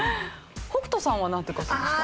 北斗さんはなんて書きました？